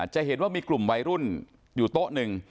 จะเห็นว่ามีกลุ่มวัยรุ่นอยู่โต๊ะหนึ่ง